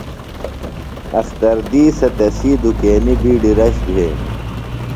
اختر دِیسہ تسی دُکینیۡ بِیڈیۡ رش بھینیۡ۔